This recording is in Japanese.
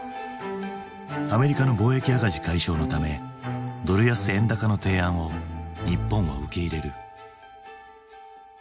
アメリカの貿易赤字解消のためドル安・円高の提案を日本は受け入れる。